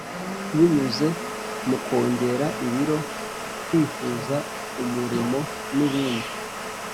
binyuze mu kongera ibiro, kwifuza, umurimo n'ibindi-